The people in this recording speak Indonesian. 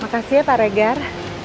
makasih ya pak regar